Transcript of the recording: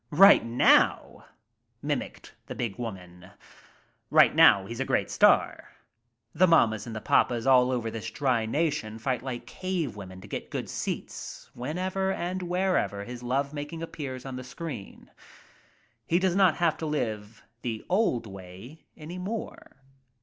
'Right now'," mimicked the big woman. "Right now, he's a great star. The mammas and the daughters all over this dry nation fight like cave women to get good seats whenever and wherever his love making appears on the screen. He does not have to live the old way any more.